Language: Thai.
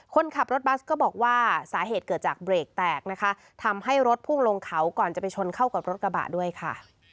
คนขับรถบัสก็บอกว่าสาเหตุเกิดจากเบรกแตกนะคะทำให้รถพุ่งลงเขาก่อนจะไปชนเข้ากับรถกระบะด้วยค่ะ